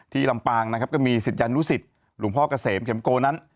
ที่ลำปางนะครับก็มีสิทธิ์ยานุสิตหลุงพ่อกเกษมเขมโกนั้น